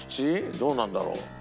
どうなんだろう？